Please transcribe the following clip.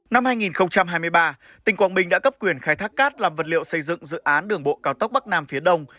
năm hai nghìn hai mươi ba tỉnh quảng bình đã cấp quyền khai thác cát làm vật liệu xây dựng dự án đường bộ cao tốc bắc nam phía đông